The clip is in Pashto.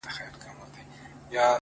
ډېوه سلگۍ وهي کرار ـ کرار تياره ماتېږي!